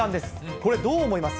これどう思います？